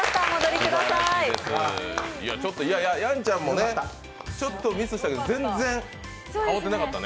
やんちゃんもね、ちょっとミスしたけど全然、慌てなかったね。